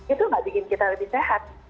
itu gak bikin kita lebih sehat